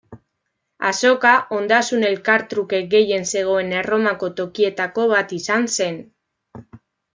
Azoka, ondasun elkartruke gehien zegoen Erromako tokietako bat izan zen.